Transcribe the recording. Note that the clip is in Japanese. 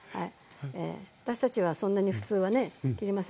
私たちはそんなに普通はね切りませんから。